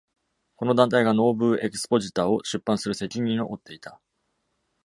この団体が「ノーブーエクスポジター」を出版する責任を負っていた。